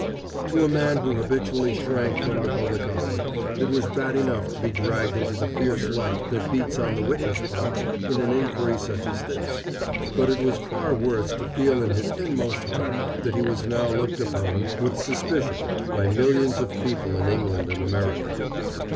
To a man who habitually shrank from the public eye, it was bad enough to be dragged into the fierce light that beats on the witness box in an inquiry such as this, but it was far worse to feel in his inmost heart that he was now looked upon with suspicion by millions of people in England and America.